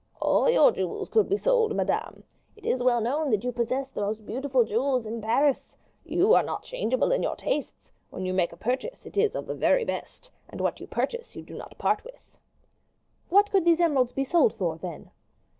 "All your jewels could be sold, madame. It is well known that you possess the most beautiful jewels in Paris. You are not changeable in your tastes; when you make a purchase it is of the very best; and what you purchase you do not part with." "What could these emeralds be sold for, then?"